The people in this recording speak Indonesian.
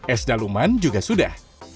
es daluman juga sudah